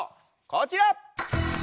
こちら！